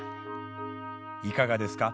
いかがですか？